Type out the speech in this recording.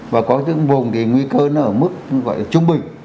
và có những vùng nguy cơ ở mức trung bình